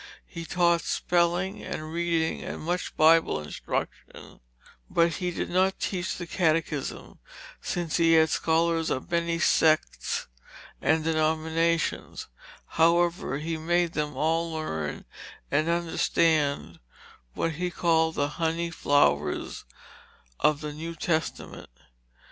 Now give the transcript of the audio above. He taught spelling and reading with much Bible instruction; but he did not teach the Catechism, since he had scholars of many sects and denominations; however, he made them all learn and understand what he called the "honey flowers of the New Testament."